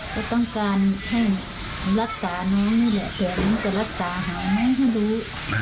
เขาต้องการให้รักษาน้องเนี่ยเผื่อมันจะรักษาหาไม่ให้รู้